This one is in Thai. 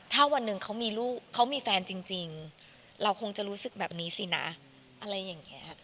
ถ้าวันหนึ่งเขามีลูกเขามีแฟนจริงเราคงจะรู้สึกแบบนี้สินะอะไรอย่างนี้ค่ะ